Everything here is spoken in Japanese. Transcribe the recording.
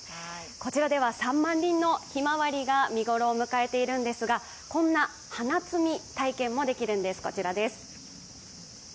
こちらでは３万輪のひまわりが見頃を迎えているんですがこんな花摘み体験もできるんです。